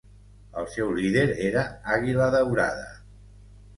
El seu líder era "Àguila Daurada".